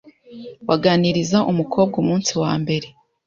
waganiriza umukobwa umunsi wa mbere